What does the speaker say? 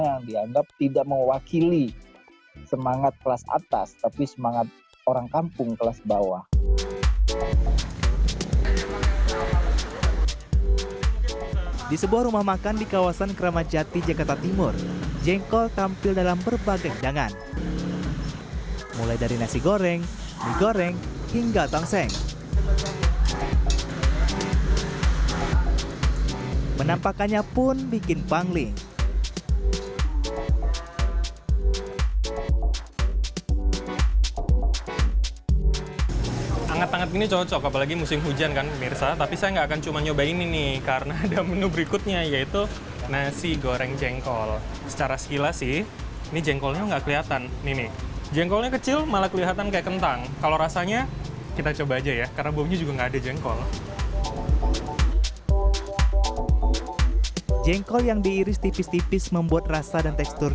yang dianggap tidak mewakili semangat kelas atas tapi semangat orang kampung kelas bawah